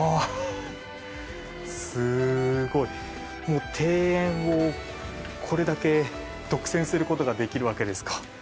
もう庭園をこれだけ独占する事ができるわけですか。